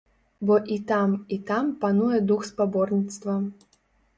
Бо і там, і там пануе дух спаборніцтва.